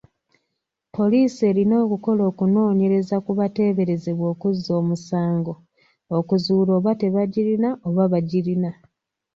Poliisi erina okukola okunoonyereza ku bateeberezebwa okuzza omusango okuzuula oba tebagirina oba bagirina.